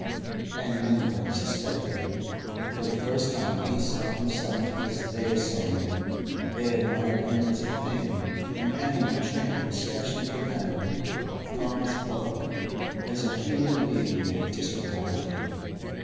And none of them suspected it. For the first time he saw himself as they saw him. They admired him as a thing, an animal trained especially for them, a prize bullock. As a human being they disregarded him.